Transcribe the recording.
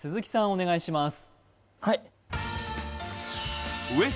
お願いします